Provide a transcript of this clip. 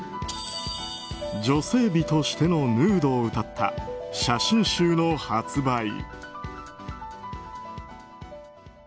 女性美としてのヌードをうたった写真集の発売。